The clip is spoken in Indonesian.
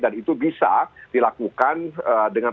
dan itu bisa dilakukan dengan